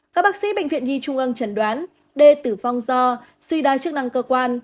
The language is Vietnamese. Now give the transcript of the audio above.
các bác sĩ bệnh viện nhi trung ương chấn đoán d tử vong do suy đai chức năng cơ quan